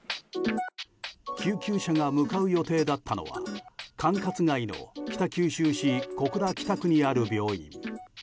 救急車が向かう予定だったのは管轄外の北九州市小倉北区にある病院。